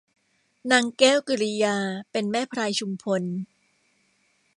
นางแก้วกิริยาเป็นแม่พลายชุมพล